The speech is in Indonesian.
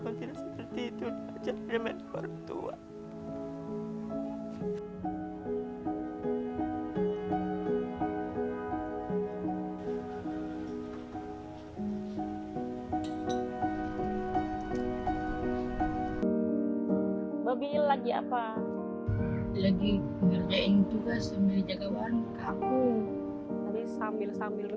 aku sambil sambil begitu ya luar biasa babil